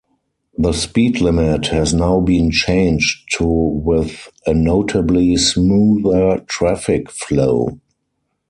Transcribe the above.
The speed limit has now been changed to with a notably smoother traffic flow.